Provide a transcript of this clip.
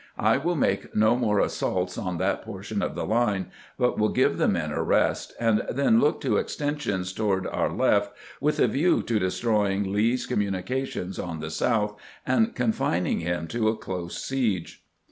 I will make no more assaults on that portion of the line, but will give the men a rest, and then look to extensions toward our left, with a view to destroying Lee's communications on the south and confining him to a close siege."